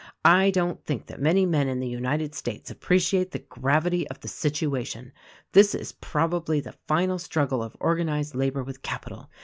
I don't think that many men in the United States appreciate the gravity of the situation. This is probably the final struggle of organized labor with capital.